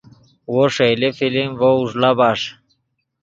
وو ݰئیلے فلم ڤؤ اوݱڑا بݰ